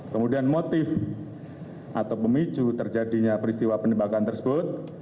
kemudian motif atau pemicu terjadinya peristiwa penembakan tersebut